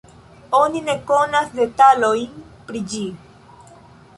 Oni ne konas detalojn pri ĝi.